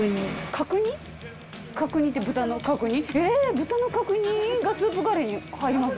豚の角煮がスープカレーに入ります？